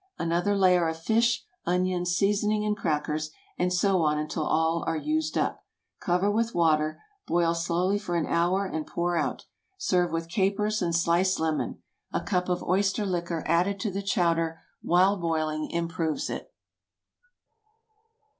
Another layer of fish, onions, seasoning, and crackers, and so on until all are used up. Cover with water, boil slowly for an hour and pour out. Serve with capers and sliced lemon. A cup of oyster liquor added to the chowder while boiling improves it.